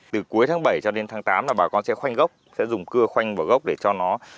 từ cuối tháng bảy cho đến tháng tám là bà con sẽ khoanh gốc sẽ dùng cưa khoanh vào gốc để cho nó